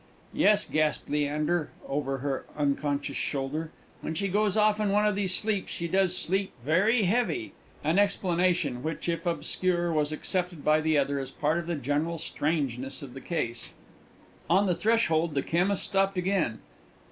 "Yes," gasped Leander, over her unconscious shoulder; "when she goes off in one of these sleeps, she does sleep very heavy" an explanation which, if obscure, was accepted by the other as part of the general strangeness of the case. On the threshold the chemist stopped again.